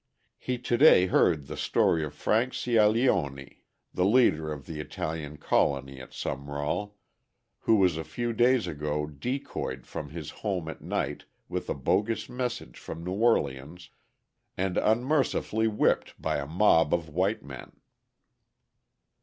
He to day heard the story of Frank Seaglioni, the leader of the Italian colony at Sumrall, who was a few days ago decoyed from his home at night with a bogus message from New Orleans and unmercifully whipped by a mob of white men.